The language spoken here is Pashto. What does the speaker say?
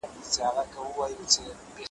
بزګر وویل خبره دي منمه `